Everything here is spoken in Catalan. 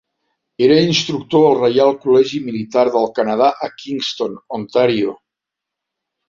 Era instructor al Reial Col·legi Militar del Canadà a Kingston, Ontario.